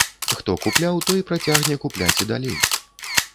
Хто купляў, той працягне купляць і далей.